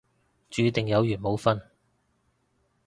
注定有緣冇瞓